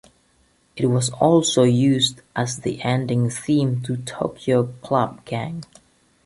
It was also used as the ending theme to Tokyo Club Gang.